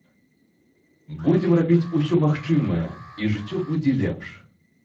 Будзем рабіць усё магчымае і жыццё будзе лепш.